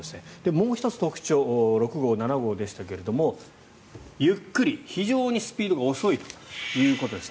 もう１つ特徴６号、７号でしたけどゆっくり、非常にスピードが遅いということです。